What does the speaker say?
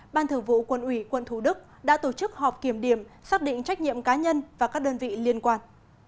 ban thường vụ quân ủy quận thủ đức đã tổ chức họp kiểm điểm xác định trách nhiệm cá nhân và các đơn vị liên quan